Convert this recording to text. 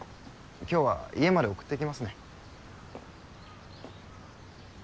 今日は家まで送っていきますね。